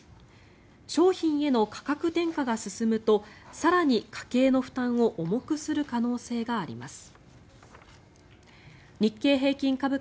商品への価格転嫁が進むと更に家計の負担を重くする可能性があります。